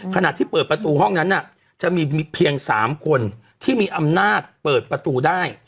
ขณะที่เปิดประตูห้องนั้นจะมีเพียง๓คนที่มีอำนาจเปิดประตูได้